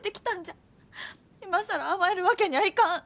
今更甘えるわけにゃあいかん。